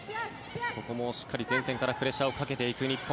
ここもしっかり前線からプレッシャーをかけていく日本。